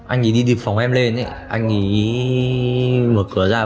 anh ấy đi điệp phòng em lên anh ấy mở cửa ra